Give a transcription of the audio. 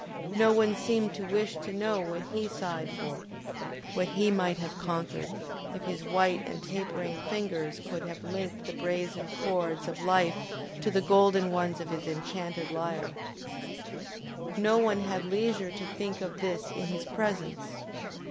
No one seemed to wish to know what he sighed for, what he might have conquered, if his white and tapering fingers could have linked the brazen chords of life to the golden ones of his enchanted lyre! No one had leisure to think of this in his presence.